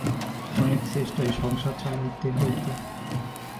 অনেক চেষ্টায় সংসার চালাইতে হইত।